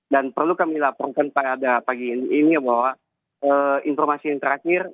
dan perlu kami laporkan pada pagi ini bahwa informasi terakhir